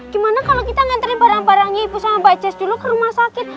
gimana kalau kita ngantri barang barangnya ibu sama mbak jas dulu ke rumah sakit